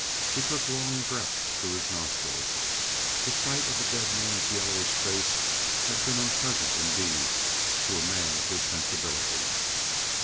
He took long breaths through his nostrils; the sight of the dead man's yellowish face had been unpleasant indeed to a man of his sensibility.